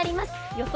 予想